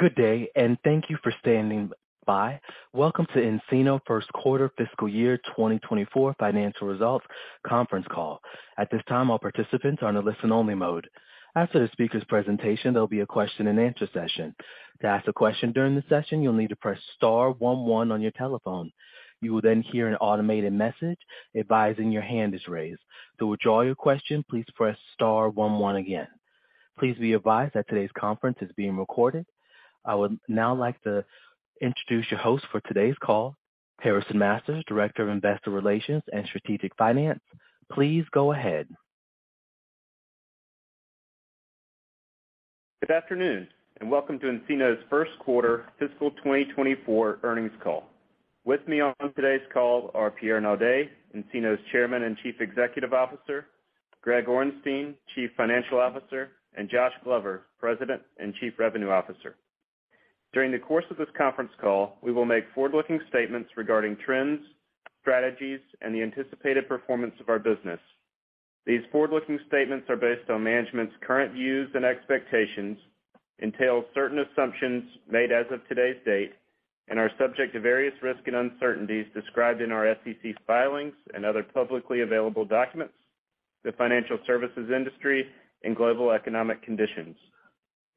Good day. Thank you for standing by. Welcome to nCino first quarter fiscal year 2024 financial results conference call. At this time, all participants are on a listen-only mode. After the speaker's presentation, there'll be a question and answer session. To ask a question during the session, you'll need to press star one one on your telephone. You will hear an automated message advising your hand is raised. To withdraw your question, please press star one one again. Please be advised that today's conference is being recorded. I would now like to introduce your host for today's call, Harrison Masters, Director of Investor Relations and Strategic Finance. Please go ahead. Good afternoon. Welcome to nCino's first quarter fiscal 2024 earnings call. With me on today's call are Pierre Naudé, nCino's Chairman and Chief Executive Officer, Greg Orenstein, Chief Financial Officer; and Josh Glover, President and Chief Revenue Officer. During the course of this conference call, we will make forward-looking statements regarding trends, strategies, and the anticipated performance of our business. These forward-looking statements are based on management's current views and expectations, entail certain assumptions made as of today's date, and are subject to various risks and uncertainties described in our SEC filings and other publicly available documents, the financial services industry, and global economic conditions.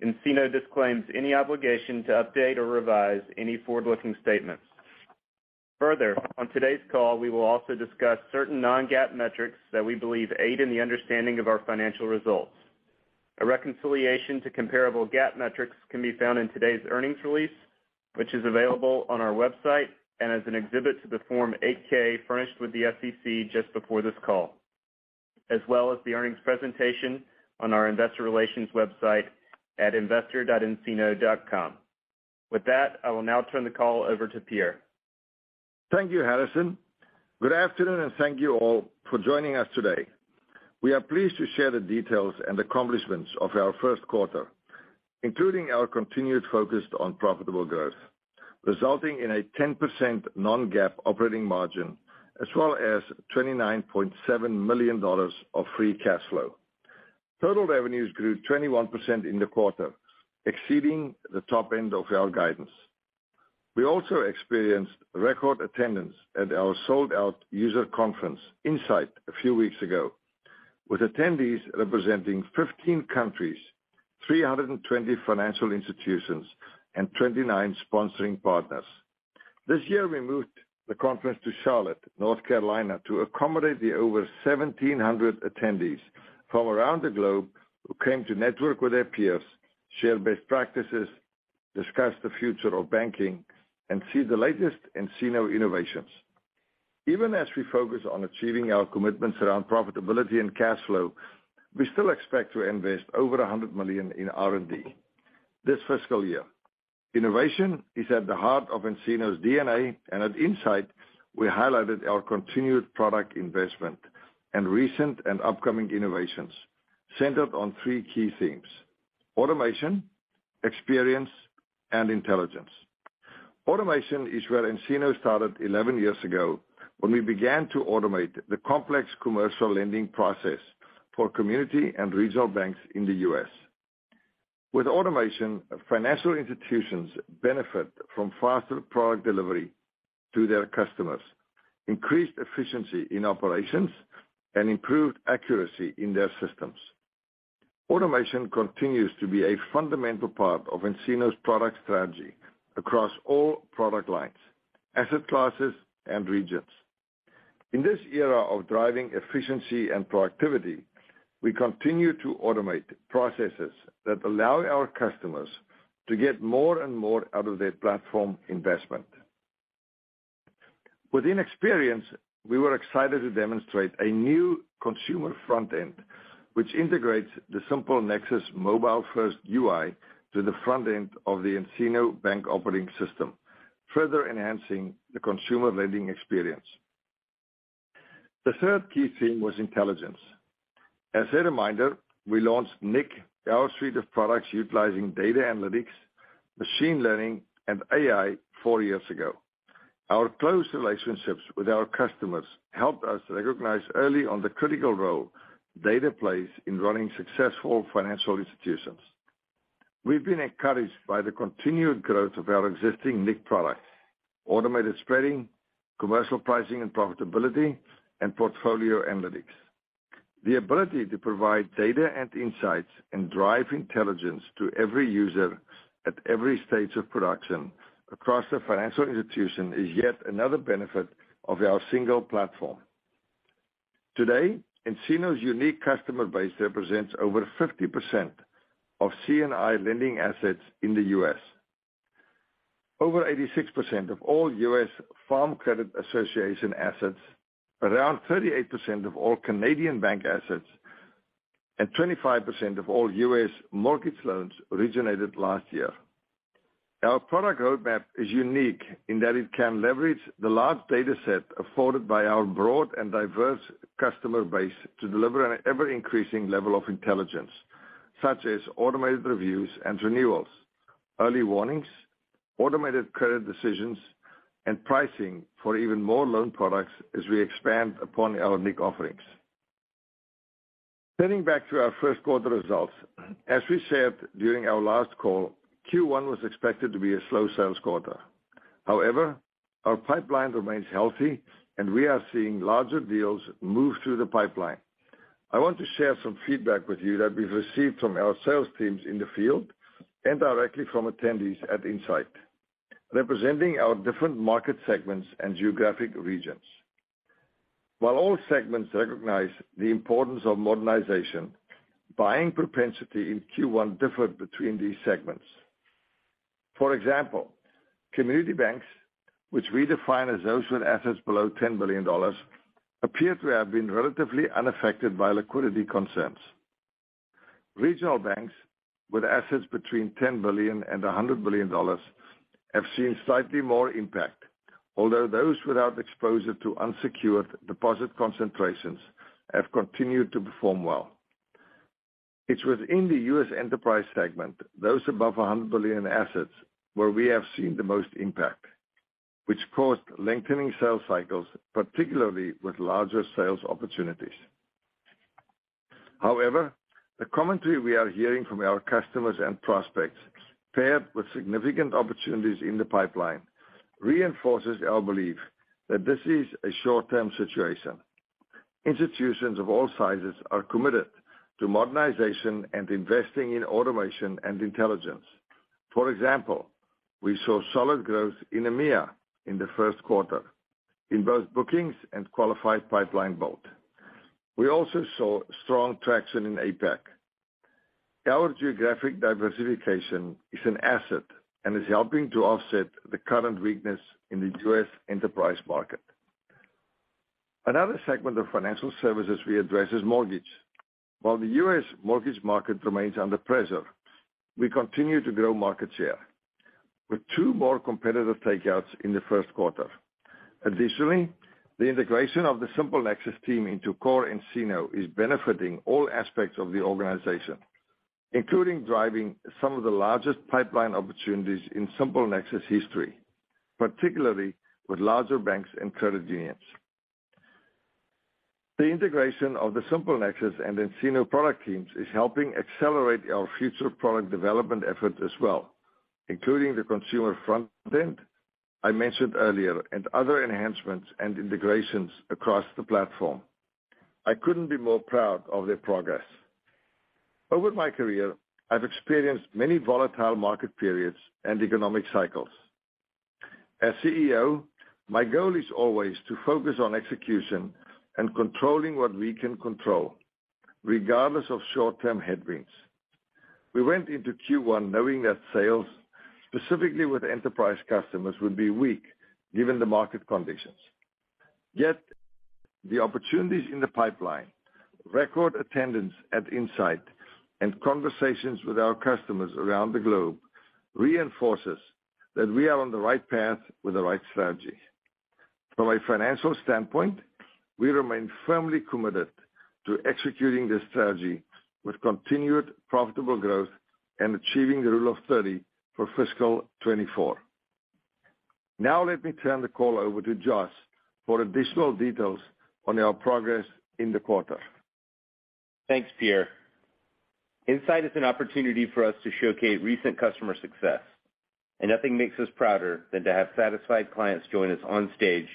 nCino disclaims any obligation to update or revise any forward-looking statements. On today's call, we will also discuss certain non-GAAP metrics that we believe aid in the understanding of our financial results. A reconciliation to comparable GAAP metrics can be found in today's earnings release, which is available on our website and as an exhibit to the Form 8-K furnished with the SEC just before this call, as well as the earnings presentation on our investor relations website at investor dot nCino dot com. With that, I will now turn the call over to Pierre. Thank you, Harrison. Good afternoon, and thank you all for joining us today. We are pleased to share the details and accomplishments of our first quarter, including our continued focus on profitable growth, resulting in a 10% non-GAAP operating margin, as well as $29.7 million of free cash flow. Total revenues grew 21% in the quarter, exceeding the top end of our guidance. We also experienced record attendance at our sold-out user conference, nSight, a few weeks ago, with attendees representing 15 countries, 320 financial institutions, and 29 sponsoring partners. This year, we moved the conference to Charlotte, North Carolina, to accommodate the over 1,700 attendees from around the globe who came to network with their peers, share best practices, discuss the future of banking, and see the latest nCino innovations. Even as we focus on achieving our commitments around profitability and cash flow, we still expect to invest over $100 million in R&D this fiscal year. Innovation is at the heart of nCino's DNA. At nSight, we highlighted our continued product investment and recent and upcoming innovations centered on three key themes: automation, experience, and intelligence. Automation is where nCino started 11 years ago, when we began to automate the complex commercial lending process for community and regional banks in the U.S. With automation, financial institutions benefit from faster product delivery to their customers, increased efficiency in operations, and improved accuracy in their systems. Automation continues to be a fundamental part of nCino's product strategy across all product lines, asset classes, and regions. In this era of driving efficiency and productivity, we continue to automate processes that allow our customers to get more and more out of their platform investment. Within experience, we were excited to demonstrate a new consumer front end, which integrates the SimpleNexus mobile-first UI to the front end of the nCino Bank Operating System, further enhancing the consumer lending experience. The third key theme was intelligence. As a reminder, we launched nIQ, our suite of products utilizing data analytics, machine learning, and AI four years ago. Our close relationships with our customers helped us recognize early on the critical role data plays in running successful financial institutions. We've been encouraged by the continued growth of our existing nIQ products, Automated Spreading, Commercial Pricing and Profitability, and Portfolio Analytics. The ability to provide data and insights and drive intelligence to every user at every stage of production across the financial institution is yet another benefit of our single platform. Today, nCino's unIQue customer base represents over 50% of CNI lending assets in the U.S. Over 86% of all U.S. Farm Credit Association assets, around 38% of all Canadian bank assets, and 25% of all U.S. mortgage loans originated last year. Our product roadmap is unIQue in that it can leverage the large dataset afforded by our broad and diverse customer base to deliver an ever-increasing level of intelligence, such as automated reviews and renewals, early warnings, automated credit decisions, and pricing for even more loan products as we expand upon our nIQ offerings. Turning back to our first quarter results. As we said during our last call, Q1 was expected to be a slow sales quarter. However, our pipeline remains healthy, and we are seeing larger deals move through the pipeline. I want to share some feedback with you that we've received from our sales teams in the field and directly from attendees at nSight, representing our different market segments and geographic regions. While all segments recognize the importance of modernization, buying propensity in Q1 differed between these segments. For example, community banks, which we define as those with assets below $10 billion, appear to have been relatively unaffected by liquidity concerns. Regional banks with assets between $10 billion and $100 billion have seen slightly more impact, although those without exposure to unsecured deposit concentrations have continued to perform well. It's within the U.S. enterprise segment, those above $100 billion assets, where we have seen the most impact, which caused lengthening sales cycles, particularly with larger sales opportunities. The commentary we are hearing from our customers and prospects, paired with significant opportunities in the pipeline, reinforces our belief that this is a short-term situation. Institutions of all sizes are committed to modernization and investing in automation and intelligence. For example, we saw solid growth in EMEA in the first quarter in both bookings and qualified pipeline both. We also saw strong traction in APAC. Our geographic diversification is an asset and is helping to offset the current weakness in the U.S. enterprise market. Another segment of financial services we address is mortgage. While the U.S. mortgage market remains under pressure, we continue to grow market share, with two more competitive takeouts in the first quarter. Additionally, the integration of the SimpleNexus team into nCino is benefiting all aspects of the organization, including driving some of the largest pipeline opportunities in SimpleNexus history, particularly with larger banks and credit unions. The integration of the SimpleNexus and nCino product teams is helping accelerate our future product development efforts as well, including the consumer front end I mentioned earlier, and other enhancements and integrations across the platform. I couldn't be more proud of their progress. Over my career, I've experienced many volatile market periods and economic cycles. As CEO, my goal is always to focus on execution and controlling what we can control, regardless of short-term headwinds. We went into Q1 knowing that sales, specifically with enterprise customers, would be weak given the market conditions. Yet the opportunities in the pipeline, record attendance at nSight, and conversations with our customers around the globe reinforces that we are on the right path with the right strategy. From a financial standpoint, we remain firmly committed to executing this strategy with continued profitable growth and achieving the Rule of 30 for fiscal 2024. Now let me turn the call over to Josh for additional details on our progress in the quarter. Thanks, Pierre. nSight is an opportunity for us to showcase recent customer success. Nothing makes us prouder than to have satisfied clients join us on stage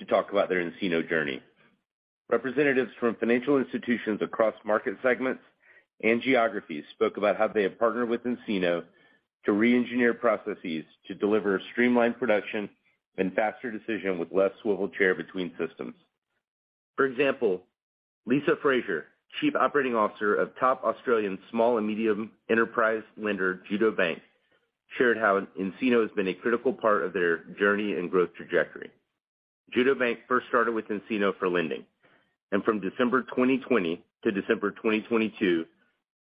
to talk about their nCino journey. Representatives from financial institutions across market segments and geographies spoke about how they have partnered with nCino to reengineer processes to deliver streamlined production and faster decision with less swivel chair between systems. For example, Lisa Frazier, Chief Operating Officer of top Australian small and medium enterprise lender Judo Bank, shared how nCino has been a critical part of their journey and growth trajectory. Judo Bank first started with nCino for lending, and from December 2020 to December 2022,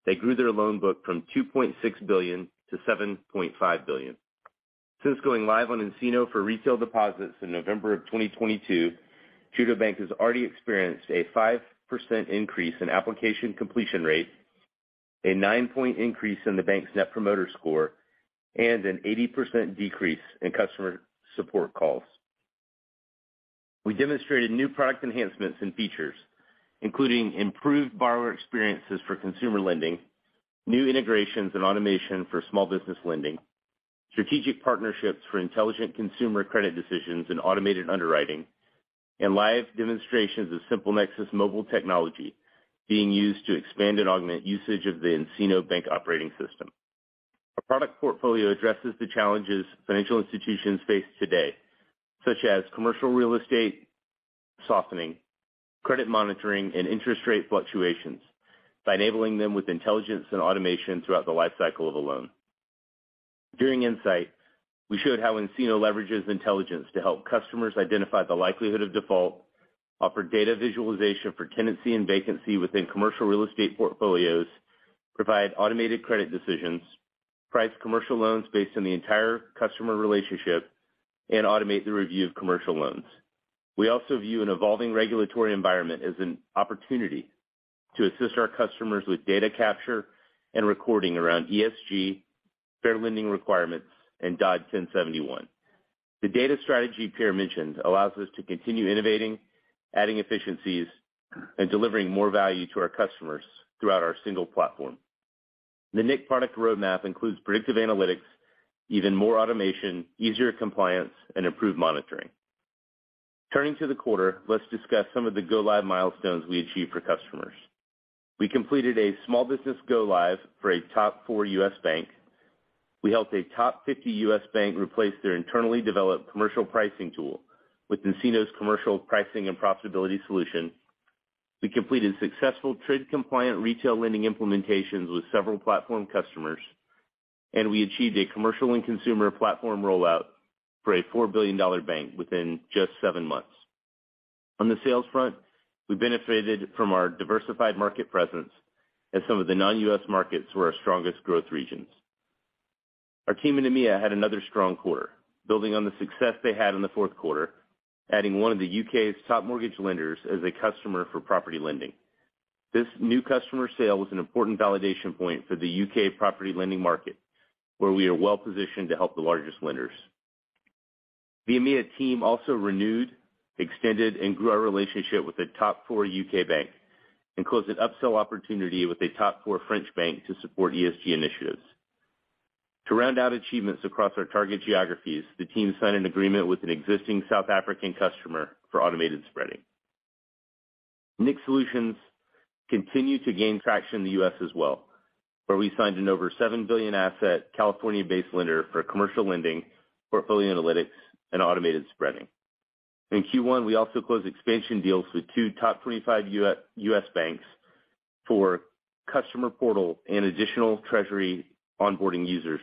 they grew their loan book from $2.6 billion to $7.5 billion. Since going live on nCino for retail deposits in November of 2022, Judo Bank has already experienced a 5% increase in application completion rate, a nine-point increase in the bank's Net Promoter Score, and an 80% decrease in customer support calls. We demonstrated new product enhancements and features, including improved borrower experiences for consumer lending, new integrations and automation for small business lending, strategic partnerships for intelligent consumer credit decisions and automated underwriting, and live demonstrations of SimpleNexus mobile technology being used to expand and augment usage of the nCino Bank Operating System. Our product portfolio addresses the challenges financial institutions face today, such as commercial real estate softening, credit monitoring, and interest rate fluctuations, by enabling them with intelligence and automation throughout the life cycle of a loan. During nSight, we showed how nCino leverages intelligence to help customers identify the likelihood of default, offer data visualization for tenancy and vacancy within commercial real estate portfolios, provide automated credit decisions, price commercial loans based on the entire customer relationship, and automate the review of commercial loans. We also view an evolving regulatory environment as an opportunity to assist our customers with data capture and recording around ESG, fair lending requirements, and Dodd-Frank 1071. The data strategy Pierre mentioned allows us to continue innovating, adding efficiencies, and delivering more value to our customers throughout our single platform. The nIQ product roadmap includes predictive analytics, even more automation, easier compliance, and improved monitoring. Turning to the quarter, let's discuss some of the go-live milestones we achieved for customers. We completed a small business go-live for a top four U.S. bank. We helped a top 50 U.S. bank replace their internally developed commercial pricing tool with nCino's Commercial Pricing and Profitability solution. We completed successful trade-compliant retail lending implementations with several platform customers. We achieved a commercial and consumer platform rollout for a $4 billion bank within just seven months. On the sales front, we benefited from our diversified market presence, as some of the non-U.S. markets were our strongest growth regions. Our team in EMEA had another strong quarter, building on the success they had in the fourth quarter, adding one of the U.K.'s top mortgage lenders as a customer for property lending. This new customer sale was an important validation point for the U.K. property lending market, where we are well positioned to help the largest lenders. The EMEA team also renewed, extended, and grew our relationship with a top four U.K. bank and closed an upsell opportunity with a top four French bank to support ESG initiatives. To round out achievements across our target geographies, the team signed an agreement with an existing South African customer for Automated Spreading. nIQ Solutions continue to gain traction in the U.S. as well, where we signed an over $7 billion asset California-based lender for commercial lending, Portfolio Analytics, and Automated Spreading. In Q1, we also closed expansion deals with two top 25 U.S. banks for Customer Portal and additional treasury onboarding users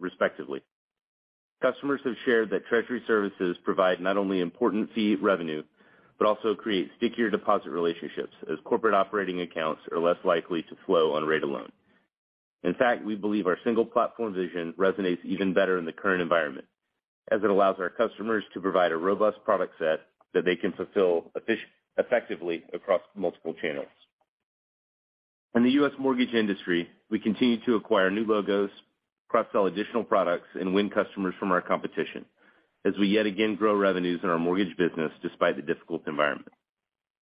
respectively. Customers have shared that treasury services provide not only important fee revenue, but also create stickier deposit relationships, as corporate operating accounts are less likely to flow on rate alone. In fact, we believe our single platform vision resonates even better in the current environment, as it allows our customers to provide a robust product set that they can fulfill effectively across multiple channels. In the U.S. mortgage industry, we continue to acquire new logos, cross-sell additional products, and win customers from our competition as we yet again grow revenues in our mortgage business despite the difficult environment.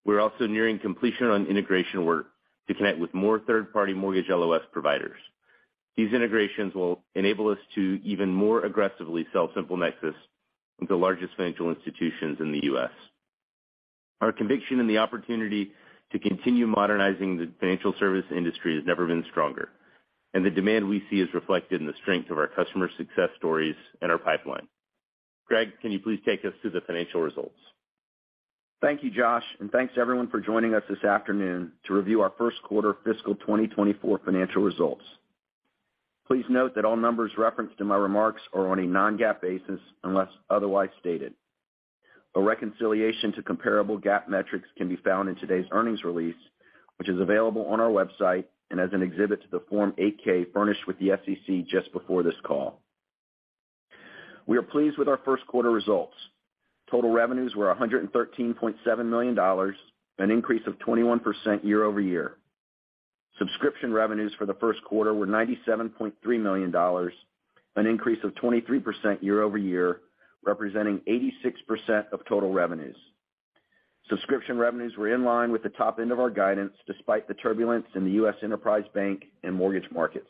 We're also nearing completion on integration work to connect with more third-party mortgage LOS providers. These integrations will enable us to even more aggressively sell SimpleNexus with the largest financial institutions in the U.S. Our conviction in the opportunity to continue modernizing the financial service industry has never been stronger, the demand we see is reflected in the strength of our customer success stories and our pipeline. Greg, can you please take us through the financial results? Thank you, Josh, and thanks, everyone, for joining us this afternoon to review our first quarter fiscal 2024 financial results. Please note that all numbers referenced in my remarks are on a non-GAAP basis, unless otherwise stated. A reconciliation to comparable GAAP metrics can be found in today's earnings release, which is available on our website and as an exhibit to the Form 8-K furnished with the SEC just before this call. We are pleased with our first quarter results. Total revenues were $113.7 million, an increase of 21% year-over-year. Subscription revenues for the first quarter were $97.3 million, an increase of 23% year-over-year, representing 86% of total revenues. Subscription revenues were in line with the top end of our guidance, despite the turbulence in the U.S. enterprise bank and mortgage markets.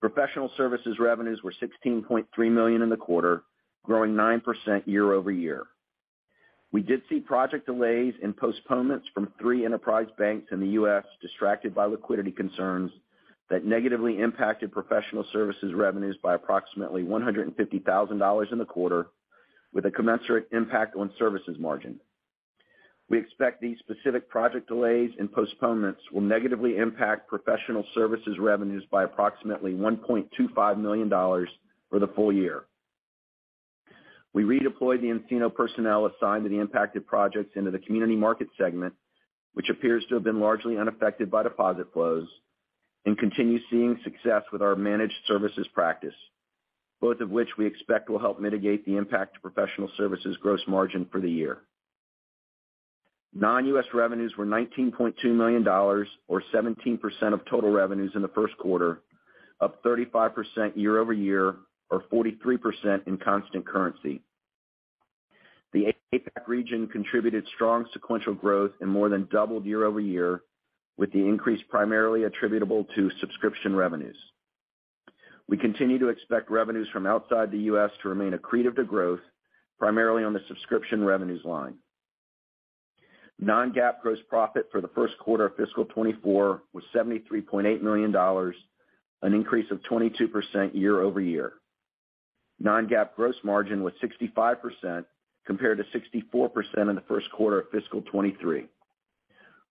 Professional services revenues were $16.3 million in the quarter, growing 9% year-over-year. We did see project delays and postponements from three enterprise banks in the U.S., distracted by liquidity concerns, that negatively impacted professional services revenues by approximately $150,000 in the quarter, with a commensurate impact on services margin. We expect these specific project delays and postponements will negatively impact professional services revenues by approximately $1.25 million for the full year. We redeployed the nCino personnel assigned to the impacted projects into the community market segment, which appears to have been largely unaffected by deposit flows, and continue seeing success with our managed services practice, both of which we expect will help mitigate the impact to professional services gross margin for the year. Non-U.S. revenues were $19.2 million, or 17% of total revenues in the first quarter, up 35% year-over-year or 43% in constant currency. The APAC region contributed strong sequential growth and more than doubled year-over-year, with the increase primarily attributable to subscription revenues. We continue to expect revenues from outside the U.S. to remain accretive to growth, primarily on the subscription revenues line. non-GAAP gross profit for the first quarter of fiscal 2024 was $73.8 million, an increase of 22% year-over-year. non-GAAP gross margin was 65%, compared to 64% in the first quarter of fiscal 2023.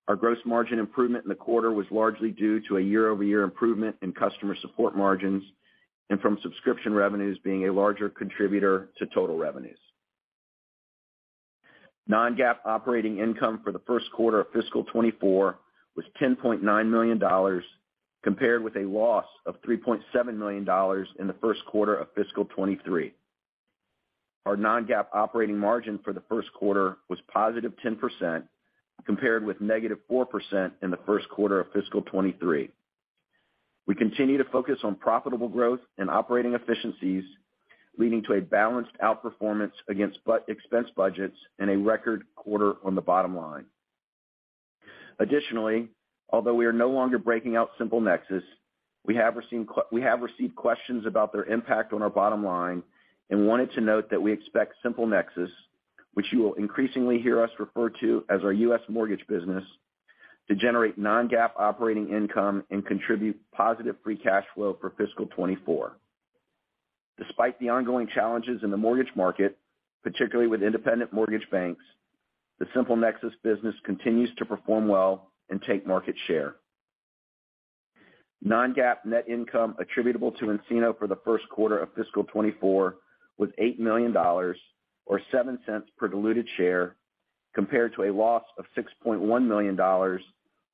Our gross margin improvement in the quarter was largely due to a year-over-year improvement in customer support margins and from subscription revenues being a larger contributor to total revenues. Non-GAAP operating income for the first quarter of fiscal 2024 was $10.9 million, compared with a loss of $3.7 million in the first quarter of fiscal 2023. Our non-GAAP operating margin for the first quarter was positive 10%, compared with negative 4% in the first quarter of fiscal 2023. We continue to focus on profitable growth and operating efficiencies, leading to a balanced outperformance against expense budgets and a record quarter on the bottom line. Additionally, although we are no longer breaking out SimpleNexus, we have received questions about their impact on our bottom line and wanted to note that we expect SimpleNexus, which you will increasingly hear us refer to as our U.S. mortgage business, to generate non-GAAP operating income and contribute positive free cash flow for fiscal 2024. Despite the ongoing challenges in the mortgage market, particularly with Independent Mortgage Bankers, the SimpleNexus business continues to perform well and take market share. non-GAAP net income attributable to nCino for the first quarter of fiscal 2024 was $8 million, or $0.07 per diluted share, compared to a loss of $6.1 million, or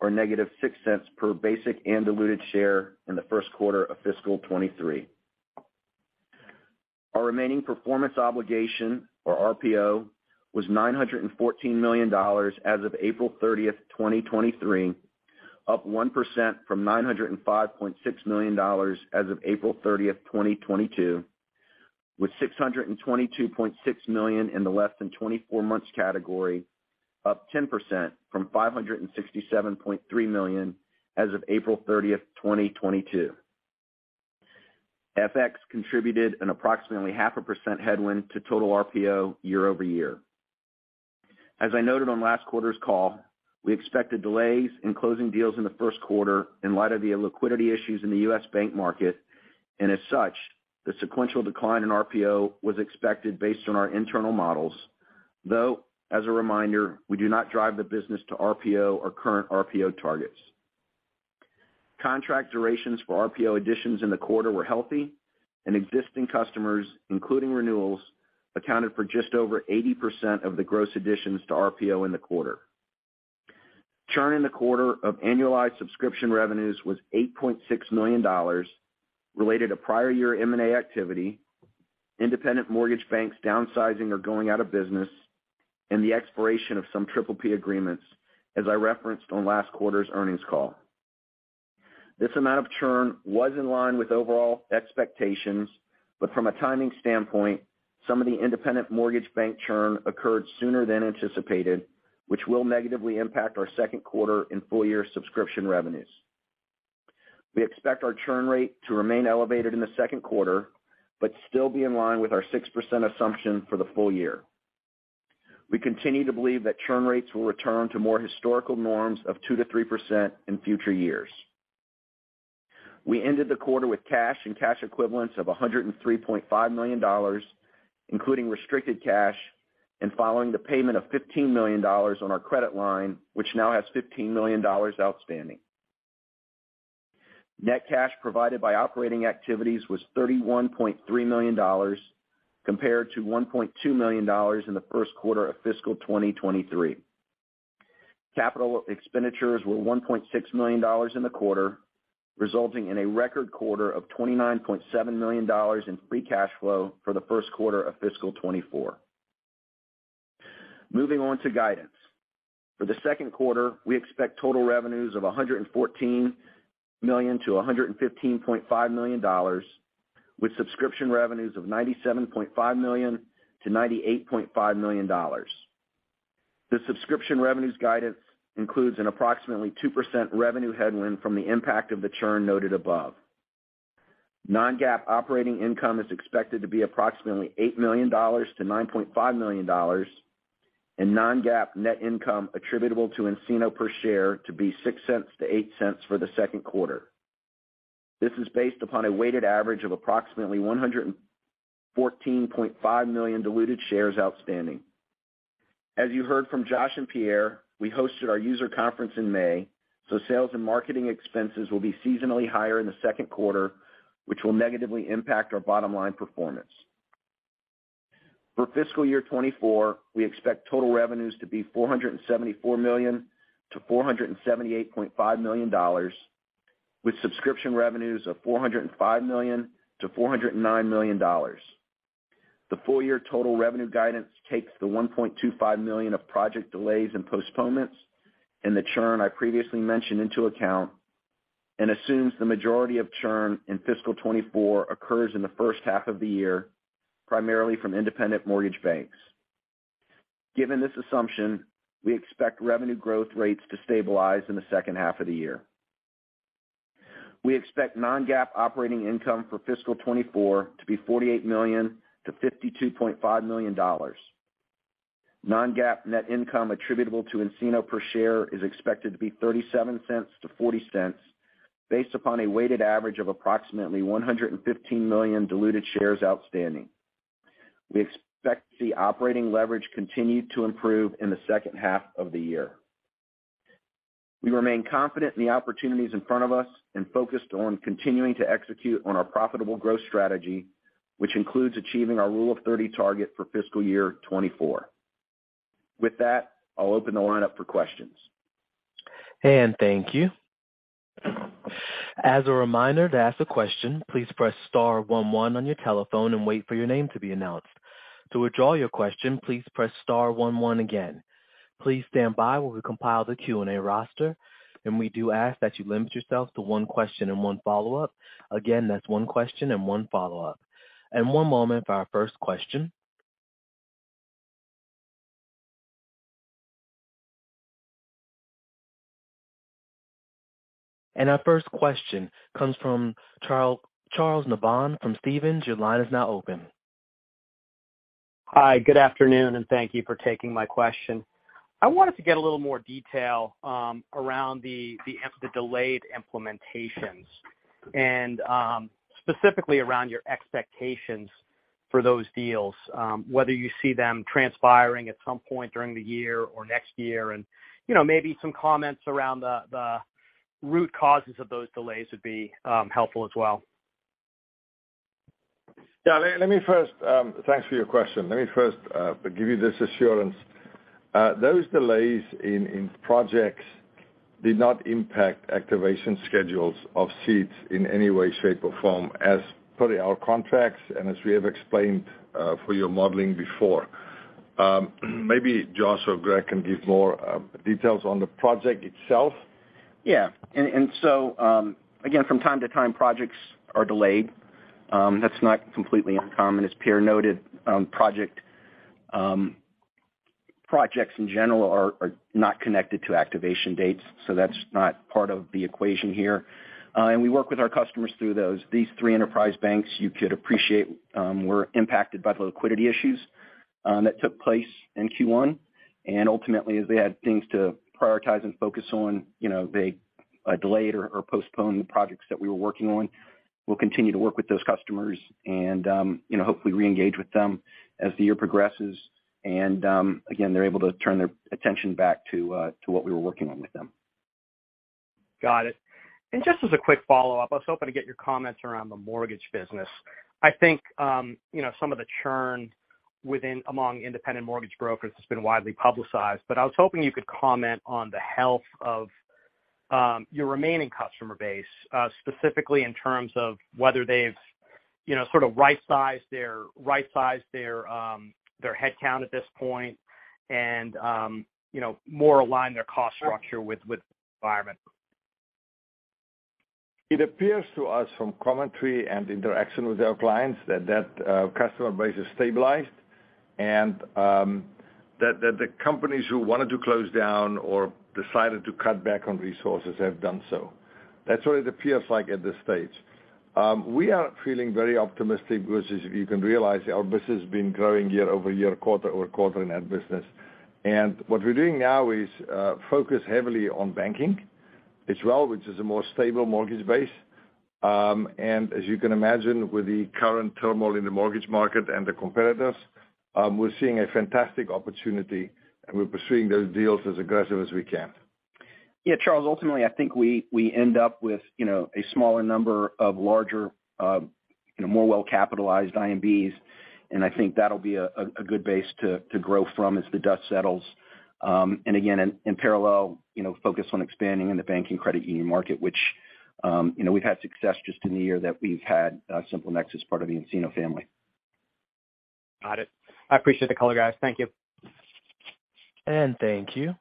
-$0.06 per basic and diluted share in the first quarter of fiscal 2023. Our remaining performance obligation, or RPO, was $914 million as of April 30, 2023, up 1% from $905.6 million as of April 30, 2022, with $622.6 million in the less than 24 months category, up 10% from $567.3 million as of April 30, 2022. FX contributed an approximately 0.5% headwind to total RPO year-over-year. As I noted on last quarter's call, we expected delays in closing deals in the first quarter in light of the liquidity issues in the U.S. bank market, and as such, the sequential decline in RPO was expected based on our internal models, though, as a reminder, we do not drive the business to RPO or current RPO targets. Contract durations for RPO additions in the quarter were healthy. Existing customers, including renewals, accounted for just over 80% of the gross additions to RPO in the quarter. Churn in the quarter of annualized subscription revenues was $8.6 million related to prior year M&A activity, independent mortgage banks downsizing or going out of business, and the expiration of some PPP agreements, as I referenced on last quarter's earnings call. This amount of churn was in line with overall expectations, but from a timing standpoint, some of the independent mortgage bank churn occurred sooner than anticipated, which will negatively impact our second quarter and full year subscription revenues. We expect our churn rate to remain elevated in the second quarter, but still be in line with our 6% assumption for the full year. We continue to believe that churn rates will return to more historical norms of 2%-3% in future years. We ended the quarter with cash and cash equivalents of $103.5 million, including restricted cash, and following the payment of $15 million on our credit line, which now has $15 million outstanding. Net cash provided by operating activities was $31.3 million, compared to $1.2 million in the first quarter of fiscal 2023. Capital expenditures were $1.6 million in the quarter, resulting in a record quarter of $29.7 million in free cash flow for the first quarter of fiscal 2024. Moving on to guidance. For the second quarter, we expect total revenues of $114 million-$115.5 million, with subscription revenues of $97.5 million-$98.5 million. The subscription revenues guidance includes an approximately 2% revenue headwind from the impact of the churn noted above. Non-GAAP operating income is expected to be approximately $8 million to $9.5 million, non-GAAP net income attributable to nCino per share to be $0.06-$0.08 for the second quarter. This is based upon a weighted average of approximately 114.5 million diluted shares outstanding. As you heard from Josh and Pierre, we hosted our user conference in May, sales and marketing expenses will be seasonally higher in the second quarter, which will negatively impact our bottom line performance. For fiscal year 2024, we expect total revenues to be $474 million-$478.5 million, with subscription revenues of $405 million-$409 million. The full year total revenue guidance takes the $1.25 million of project delays and postponements, and the churn I previously mentioned into account, and assumes the majority of churn in fiscal 2024 occurs in the first half of the year, primarily from Independent Mortgage Bankers. Given this assumption, we expect revenue growth rates to stabilize in the second half of the year. We expect non-GAAP operating income for fiscal 2024 to be $48 million-$52.5 million. Non-GAAP net income attributable to nCino per share is expected to be $0.37-$0.40, based upon a weighted average of approximately 115 million diluted shares outstanding. We expect the operating leverage continue to improve in the second half of the year. We remain confident in the opportunities in front of us and focused on continuing to execute on our profitable growth strategy, which includes achieving our Rule of 30 target for fiscal year 2024. With that, I'll open the line up for questions. Thank you. As a reminder, to ask a question, please press star one one on your telephone and wait for your name to be announced. To withdraw your question, please press star one one again. Please stand by while we compile the Q&A roster. We do ask that you limit yourself to one question and one follow-up. Again, that's one question and one follow-up. One moment for our first question. Our first question comes from Charles Nabhan from Stephens. Your line is now open. Hi, good afternoon, and thank you for taking my question. I wanted to get a little more detail around the delayed implementations and specifically around your expectations for those deals, whether you see them transpiring at some point during the year or next year. You know, maybe some comments around the root causes of those delays would be helpful as well. Let me first, thanks for your question. Let me first, give you this assurance. Those delays in projects did not impact activation schedules of seats in any way, shape, or form, as per our contracts and as we have explained for your modeling before. Maybe Josh or Greg can give more details on the project itself. Again, from time to time, projects are delayed. That's not completely uncommon. As Pierre noted, projects in general are not connected to activation dates, so that's not part of the equation here. We work with our customers through those. These three enterprise banks, you could appreciate, were impacted by the liquidity issues that took place in Q1. Ultimately, as they had things to prioritize and focus on, you know, they delayed or postponed the projects that we were working on. We'll continue to work with those customers and, you know, hopefully reengage with them as the year progresses. Again, they're able to turn their attention back to what we were working on with them. Got it. Just as a quick follow-up, I was hoping to get your comments around the mortgage business. I think, you know, some of the churn among independent mortgage brokers has been widely publicized. I was hoping you could comment on the health of, your remaining customer base, specifically in terms of whether they've, you know, sort of right-sized their headcount at this point and, you know, more align their cost structure with the environment. It appears to us from commentary and interaction with our clients that customer base is stabilized and that the companies who wanted to close down or decided to cut back on resources have done so. That's what it appears like at this stage. We are feeling very optimistic because as you can realize, our business has been growing year-over-year, quarter-over-quarter in that business. What we're doing now is focus heavily on banking as well, which is a more stable mortgage base. As you can imagine, with the current turmoil in the mortgage market and the competitors, we're seeing a fantastic opportunity, and we're pursuing those deals as aggressive as we can. Charles, ultimately, I think we end up with, you know, a smaller number of larger, you know, more well-capitalized IMBs, and I think that'll be a good base to grow from as the dust settles. In parallel, you know, focus on expanding in the banking credit union market, which, you know, we've had success just in the year that we've had SimpleNexus, part of the nCino family. Got it. I appreciate the color, guys. Thank you. Thank you.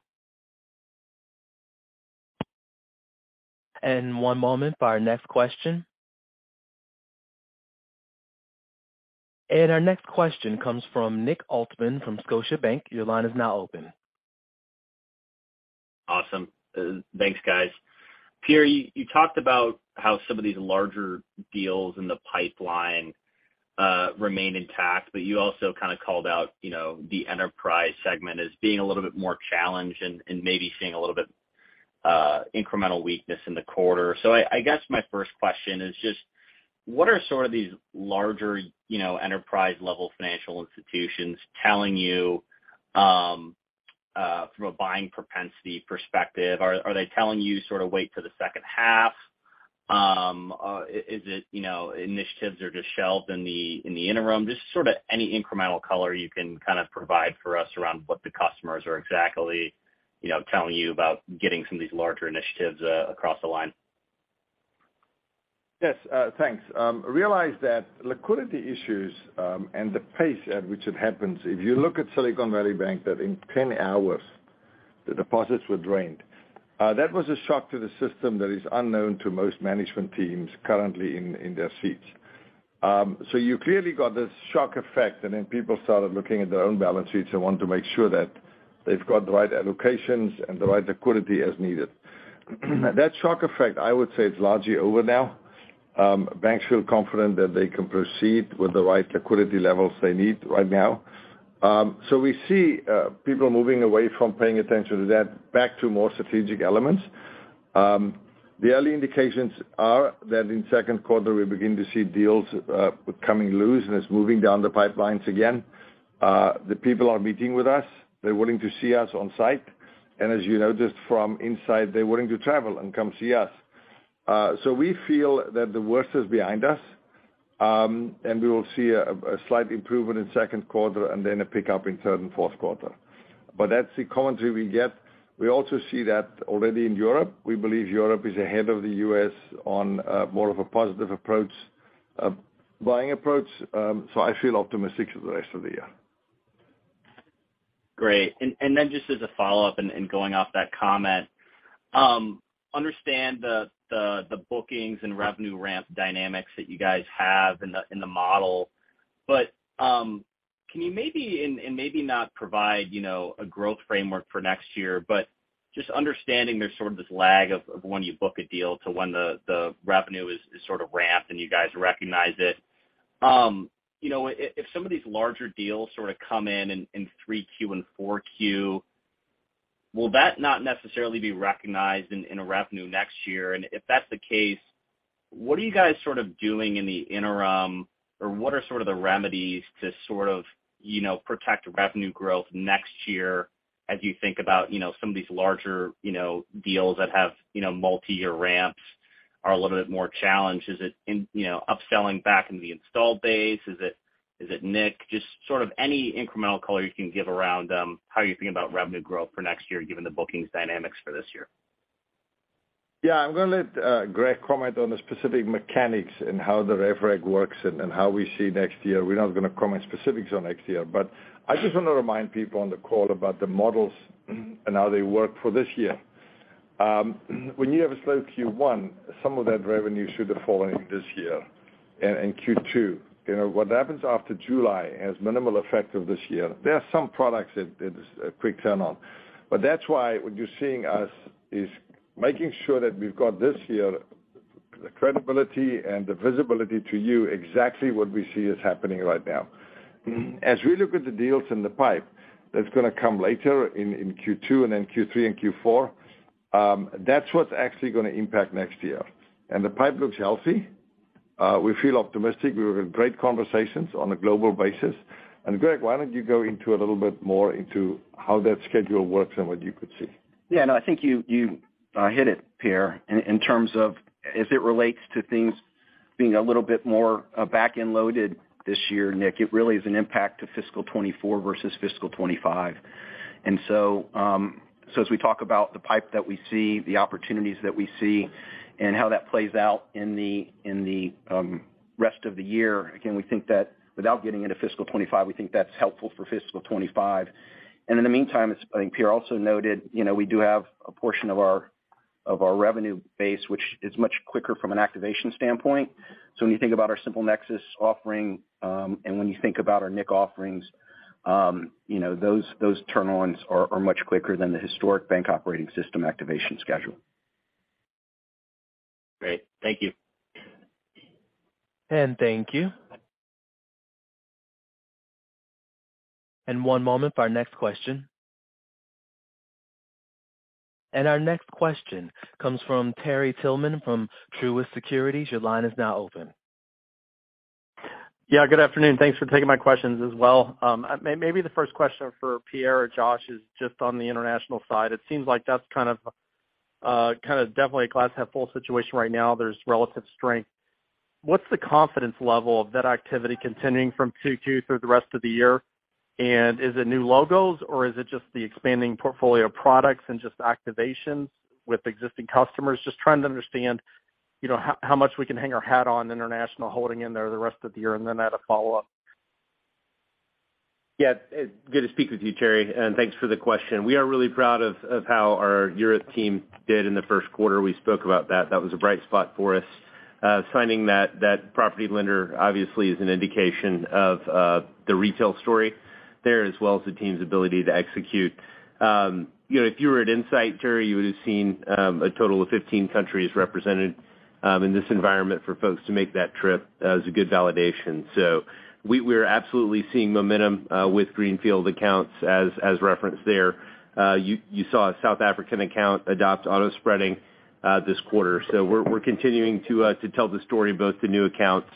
One moment for our next question. Our next question comes from Nick Altmann from Scotiabank. Your line is now open. Awesome. Thanks, guys. Pierre, you talked about how some of these larger deals in the pipeline, remain intact, but you also kind of called out, you know, the enterprise segment as being a little bit more challenged and maybe seeing a little bit incremental weakness in the quarter. I guess my first question is just: What are sort of these larger, you know, enterprise-level financial institutions telling you from a buying propensity perspective? Are they telling you sort of wait till the second half? Is it, you know, initiatives are just shelved in the interim? Just sort of any incremental color you can kind of provide for us around what the customers are exactly, you know, telling you about getting some of these larger initiatives across the line. Yes, thanks. Realize that liquidity issues, and the pace at which it happens, if you look at Silicon Valley Bank, that in 10 hours the deposits were drained, that was a shock to the system that is unknown to most management teams currently in their seats. You clearly got this shock effect, and then people started looking at their own balance sheets and want to make sure that they've got the right allocations and the right liquidity as needed. That shock effect, I would say, it's largely over now. Banks feel confident that they can proceed with the right liquidity levels they need right now. We see people moving away from paying attention to that, back to more strategic elements. The early indications are that in second quarter, we begin to see deals coming loose, and it's moving down the pipelines again. The people are meeting with us. They're willing to see us on site. As you know, just from inside, they're willing to travel and come see us. We feel that the worst is behind us. We will see a slight improvement in second quarter and then a pickup in third and fourth quarter. That's the commentary we get. We also see that already in Europe. We believe Europe is ahead of the U.S. on more of a positive approach, buying approach. I feel optimistic for the rest of the year. Great. Then just as a follow-up and going off that comment, understand the bookings and revenue ramp dynamics that you guys have in the model. Can you maybe, and maybe not provide, you know, a growth framework for next year, but just understanding there's sort of this lag of when you book a deal to when the revenue is sort of ramped and you guys recognize it. You know, if some of these larger deals sort of come in 3Q and 4Q, will that not necessarily be recognized in a revenue next year? If that's the case, what are you guys sort of doing in the interim, or what are sort of the remedies to sort of, you know, protect revenue growth next year as you think about, you know, some of these larger, you know, deals that have, you know, multiyear ramps are a little bit more challenged? Is it in, you know, upselling back into the installed base? Is it, is it nIQ? Just sort of any incremental color you can give around how you're thinking about revenue growth for next year, given the bookings dynamics for this year. I'm gonna let Greg comment on the specific mechanics and how the rev reg works and how we see next year. We're not gonna comment specifics on next year, but I just want to remind people on the call about the models and how they work for this year. When you have a slow Q1, some of that revenue should have fallen this year and Q2. You know, what happens after July has minimal effect of this year. There are some products that it is a quick turn on. That's why what you're seeing us is making sure that we've got this year, the credibility and the visibility to you, exactly what we see is happening right now. As we look at the deals in the pipe, that's gonna come later in Q2 and then Q3 and Q4, that's what's actually gonna impact next year. The pipe looks healthy. We feel optimistic. We've had great conversations on a global basis. Greg, why don't you go into a little bit more into how that schedule works and what you could see? Yeah, no, I think you hit it, Pierre, in terms of as it relates to things being a little bit more back-end loaded this year, Nick, it really is an impact to fiscal 2024 versus fiscal 2025. So as we talk about the pipe that we see, the opportunities that we see, and how that plays out in the rest of the year, again, we think that without getting into fiscal 2025, we think that's helpful for fiscal 2025. In the meantime, as I think Pierre also noted, you know, we do have a portion of our revenue base, which is much quicker from an activation standpoint. When you think about our SimpleNexus offering, and when you think about our nIQ offerings, you know, those turn-ons are much quicker than the historic Bank Operating System activation schedule. Great. Thank you. Thank you. One moment for our next question. Our next question comes from Terry Tillman from Truist Securities. Your line is now open. Yeah, good afternoon. Thanks for taking my questions as well. Maybe the first question for Pierre or Josh is just on the international side. It seems like that's kind of definitely a glass half full situation right now. There's relative strength. What's the confidence level of that activity continuing from 2Q through the rest of the year? Is it new logos, or is it just the expanding portfolio of products and just activations with existing customers? Just trying to understand, you know, how much we can hang our hat on international, holding in there the rest of the year, and then add a follow-up. Good to speak with you, Terry, and thanks for the question. We are really proud of how our Europe team did in the first quarter. We spoke about that. That was a bright spot for us. Signing that property lender obviously is an indication of the retail story there, as well as the team's ability to execute. You know, if you were at nSight, Terry, you would have seen a total of 15 countries represented in this environment for folks to make that trip is a good validation. We're absolutely seeing momentum with greenfield accounts as referenced there. You saw a South African account adopt Automated Spreading this quarter. We're continuing to tell the story, both the new accounts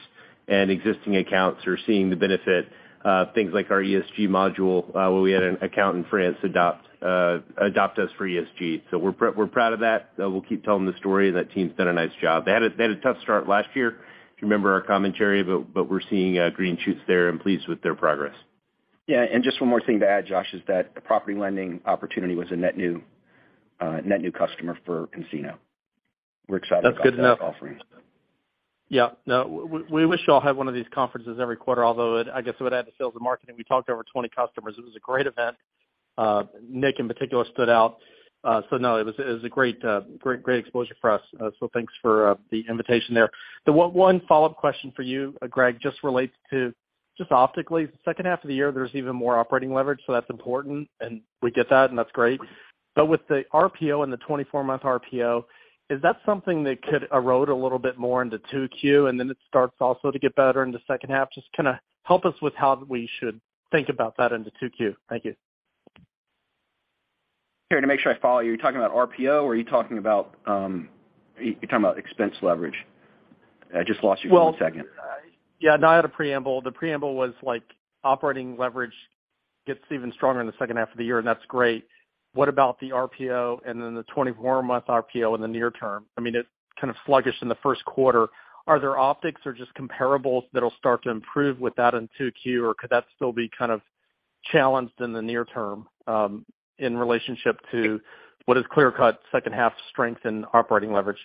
and existing accounts are seeing the benefit of things like our ESG module, where we had an account in France adopt us for ESG. We're proud of that. We'll keep telling the story, and that team's done a nice job. They had a tough start last year, if you remember our commentary, but we're seeing green shoots there and pleased with their progress. Just one more thing to add, Josh, is that the property lending opportunity was a net new customer for nCino. We're excited about that offering. That's good to know. Yeah, no, we wish y'all had one of these conferences every quarter, although I guess it would add to sales and marketing. We talked to over 20 customers. It was a great event. Nick, in particular, stood out. No, it was a great exposure for us. Thanks for the invitation there. The one follow-up question for you, Greg, just relates to just optically, second half of the year, there's even more operating leverage, so that's important, and we get that, and that's great. With the RPO and the 24 month RPO, is that something that could erode a little bit more into 2Q, and then it starts also to get better in the second half? Just kind of help us with how we should think about that into 2Q. Thank you. Terry, to make sure I follow, are you talking about RPO or are you talking about, you're talking about expense leverage? I just lost you for one second. Yeah, no, I had a preamble. The preamble was like operating leverage- gets even stronger in the second half of the year, and that's great. What about the RPO and then the 24-month RPO in the near term? I mean, it's kind of sluggish in the first quarter. Are there optics or just comparables that'll start to improve with that in 2Q, or could that still be kind of challenged in the near term, in relationship to what is clear-cut second half strength and operating leverage?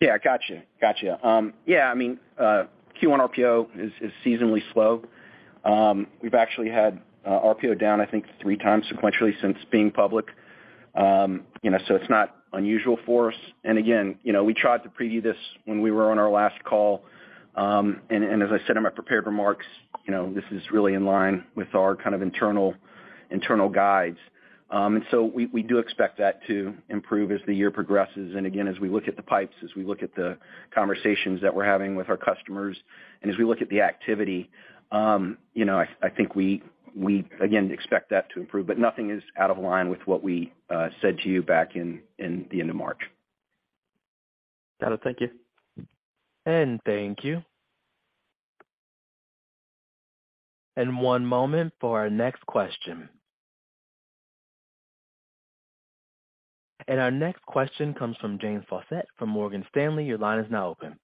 Yeah, gotcha. Gotcha. Yeah, I mean, Q1 RPO is seasonally slow. We've actually had RPO down, I think, three times sequentially since being public. You know, so it's not unusual for us. Again, you know, we tried to preview this when we were on our last call, and as I said in my prepared remarks, you know, this is really in line with our kind of internal guides. We do expect that to improve as the year progresses. Again, as we look at the pipes, as we look at the conversations that we're having with our customers, and as we look at the activity, you know, I think we again expect that to improve, but nothing is out of line with what we said to you back in the end of March. Got it. Thank you. Thank you. One moment for our next question. Our next question comes from James Faucette from Morgan Stanley. Your line is now open.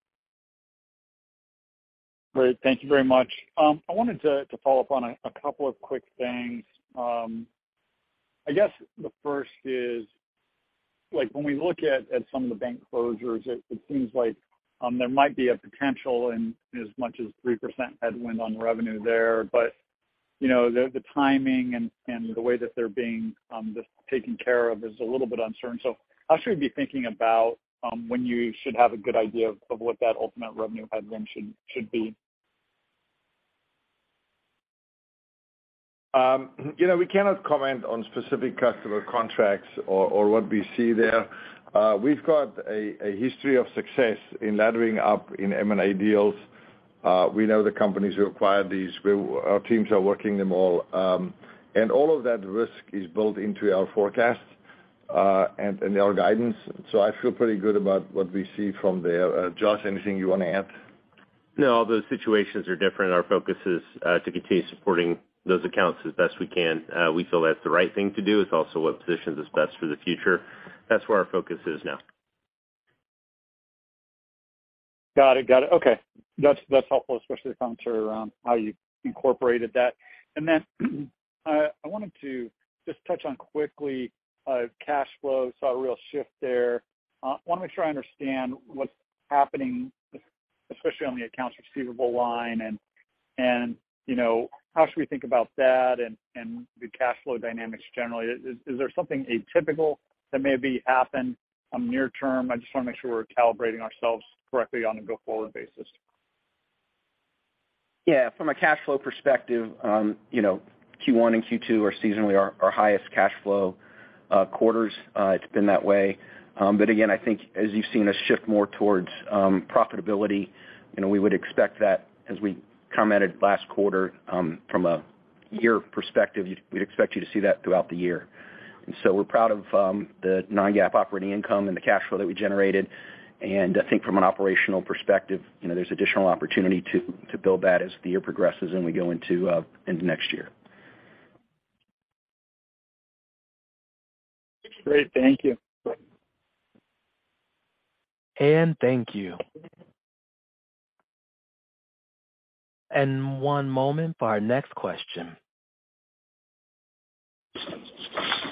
Great. Thank you very much. I wanted to follow up on a couple of quick things. I guess the first is, like, when we look at some of the bank closures, it seems like there might be a potential in as much as 3% headwind on revenue there, but, you know, the timing and the way that they're being just taken care of is a little bit uncertain. How should we be thinking about when you should have a good idea of what that ultimate revenue headwind should be? You know, we cannot comment on specific customer contracts or what we see there. We've got a history of success in laddering up in M&A deals. We know the companies who acquired these, where our teams are working them all. All of that risk is built into our forecast and our guidance, so I feel pretty good about what we see from there. Josh, anything you want to add? No, all those situations are different. Our focus is to continue supporting those accounts as best we can. We feel that's the right thing to do. It's also what positions us best for the future. That's where our focus is now. Got it. Okay. That's helpful, especially the comments around how you incorporated that. I wanted to just touch on quickly cash flow. Saw a real shift there. Want to make sure I understand what's happening, especially on the accounts receivable line and, you know, how should we think about that and the cash flow dynamics generally? Is there something atypical that may be happened near term? I just want to make sure we're calibrating ourselves correctly on a go-forward basis. Yeah. From a cash flow perspective, you know, Q1 and Q2 are seasonally our highest cash flow quarters. It's been that way. But again, I think as you've seen us shift more towards profitability, you know, we would expect that as we commented last quarter, from a year perspective, we'd expect you to see that throughout the year. We're proud of the non-GAAP operating income and the cash flow that we generated. I think from an operational perspective, you know, there's additional opportunity to build that as the year progresses and we go into next year. Great. Thank you. Thank you. One moment for our next question.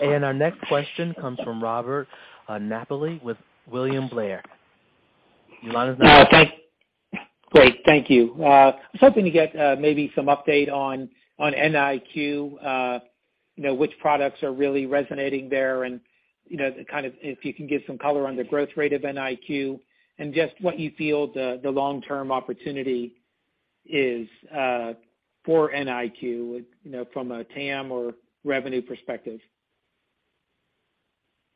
Our next question comes from Robert Napoli with William Blair. Your line is now open. Great. Thank you. I was hoping to get maybe some update on nIQ, you know, which products are really resonating there, and, you know, kind of if you can give some color on the growth rate of nIQ and just what you feel the long-term opportunity is for nIQ, you know, from a TAM or revenue perspective?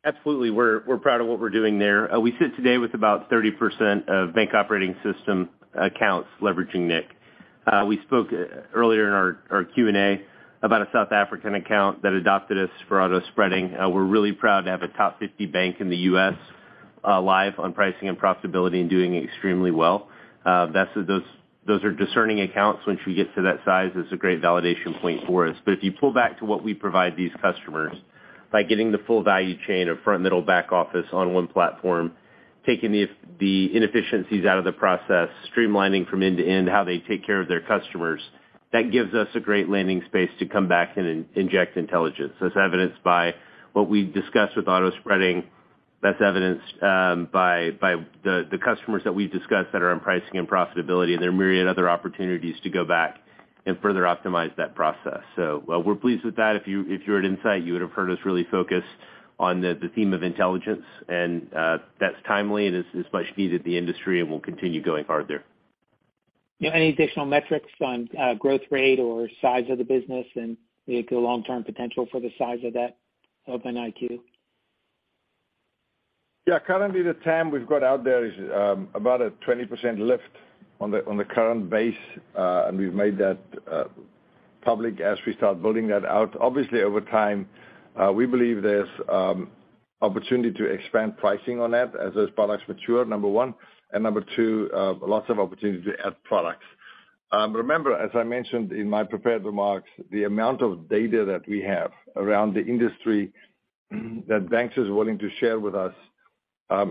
Absolutely. We're, we're proud of what we're doing there. We sit today with about 30% of Bank Operating System accounts leveraging nIQ. We spoke earlier in our Q&A about a South African account that adopted us for Automated Spreading. We're really proud to have a top 50 bank in the U.S. live on Commercial Pricing and Profitability and doing extremely well. That's, those are discerning accounts. Once we get to that size, it's a great validation point for us. If you pull back to what we provide these customers by getting the full value chain of front, middle, back office on one platform, taking the inefficiencies out of the process, streamlining from end to end how they take care of their customers, that gives us a great landing space to come back and inject intelligence. That's evidenced by what we discussed with Automated Spreading. That's evidenced by the customers that we've discussed that are on Commercial Pricing and Profitability, and there are myriad other opportunities to go back and further optimize that process. We're pleased with that. If you, if you were at nSight, you would have heard us really focus on the theme of intelligence, and that's timely and is much needed in the industry, and we'll continue going hard there. Yeah, any additional metrics on growth rate or size of the business and the long-term potential for the size of that, of nIQ? Yeah. Currently, the TAM we've got out there is about a 20% lift on the current base, we've made that public as we start building that out. Obviously, over time, we believe there's opportunity to expand pricing on that as those products mature, number one. Number two, lots of opportunity to add products. Remember, as I mentioned in my prepared remarks, the amount of data that we have around the industry that banks is willing to share with us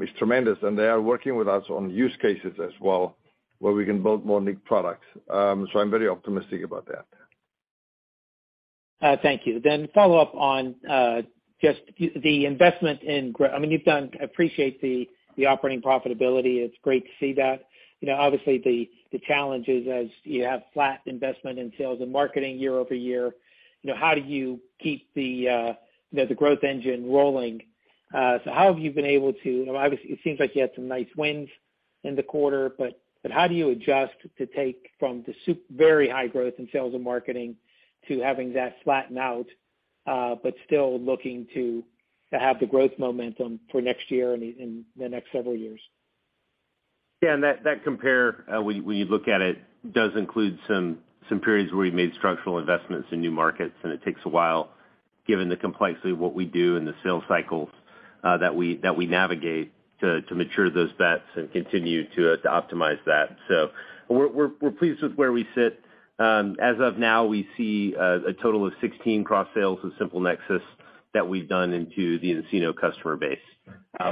is tremendous, they are working with us on use cases as well, where we can build more niche products. I'm very optimistic about that. Thank you. Follow up on just the investment in I mean, you've done, appreciate the operating profitability. It's great to see that. You know, obviously, the challenge is as you have flat investment in sales and marketing year-over-year, you know, how do you keep the, you know, the growth engine rolling? How have you been able to, obviously, it seems like you had some nice wins in the quarter, but how do you adjust to take from the very high growth in sales and marketing to having that flatten out, but still looking to have the growth momentum for next year and in the next several years? That compare, when you look at it, does include some periods where we've made structural investments in new markets, and it takes a while, given the complexity of what we do and the sales cycles that we navigate, to mature those bets and continue to optimize that. We're pleased with where we sit. As of now, we see a total of 16 cross sales with SimpleNexus that we've done into the nCino customer base.